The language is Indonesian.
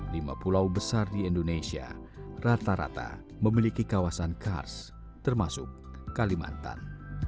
lima pulau besar di indonesia rata rata memiliki kawasan kars termasuk kalimantan